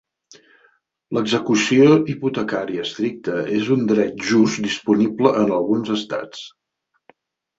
L'execució hipotecària estricta és un dret just disponible en alguns estats.